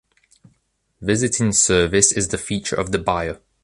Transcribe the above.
Visiting service is the feature of the buyer.